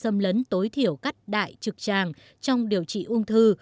phẫu thuật nội soi xâm lấn tối thiểu cắt đại trực tràng trong điều trị ung thư